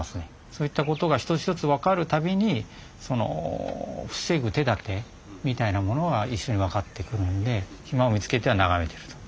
そういった事が一つ一つ分かる度に防ぐ手だてみたいなものが一緒に分かってくるんで暇を見つけては眺めてると。